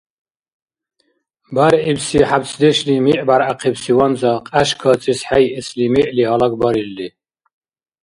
БяргӀибси хӀябцдешли миъбяргӀяхъибси ванза кьяш кацӀес хӀейэсли миъли гъалагбарилри.